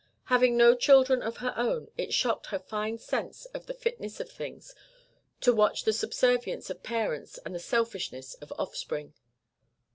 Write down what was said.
Having no children of her own, it shocked her fine sense of the fitness of things to watch the subservience of parents and the selfishness of offspring.